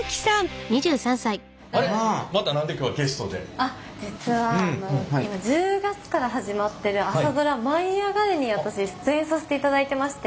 あっ実は今１０月から始まってる朝ドラ「舞いあがれ！」に私出演させていただいてまして。